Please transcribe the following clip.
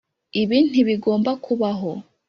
ibi ntibigomba kubaho.